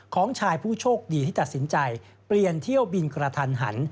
ของชายผู้โชคดีที่ตัดสินใจเปลี่ยนเที่ยวบินกระทันหัน